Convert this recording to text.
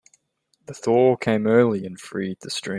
The thaw came early and freed the stream.